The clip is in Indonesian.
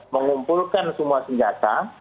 mengumpulkan semua senjata